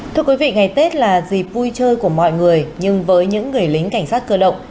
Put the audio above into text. thưa quý vị ngày tết là dịp vui chơi của mọi người nhưng với những người lính cảnh sát cơ động